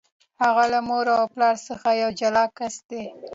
هغه له مور او پلار څخه یو جلا کس دی.